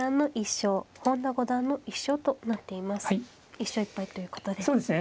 １勝１敗ということで互角ですね。